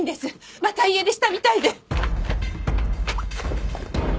また家出したみたいで。